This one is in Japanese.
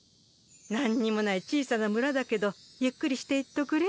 なんにもない小さな村だけどゆっくりしていっとくれ。